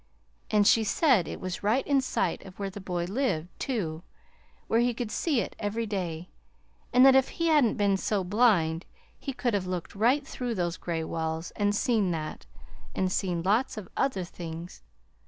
And she said it was right in sight of where the boy lived, too, where he could see it every day; and that if he hadn't been so blind he could have looked right through those gray walls and seen that, and seen lots of other things.